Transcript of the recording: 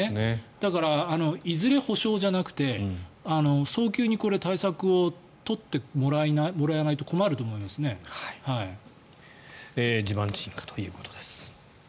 だから、いずれ補償じゃなくて早急に対策を取ってもらわないと地盤沈下ということです。